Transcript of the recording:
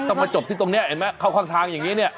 มาจบที่ตรงนี้เห็นไหมเข้าข้างทางอย่างนี้เนี่ย